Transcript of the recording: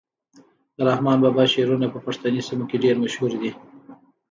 د رحمان بابا شعرونه په پښتني سیمو کي ډیر مشهور دي.